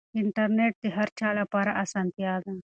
انټرنیټ د هر چا لپاره اسانتیا ده.